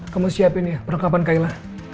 kamu siapin ya perlengkapan kaila